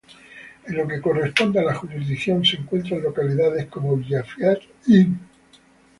En lo que corresponde a la jurisdicción se encuentran localidades como Villa Fiat, Ing.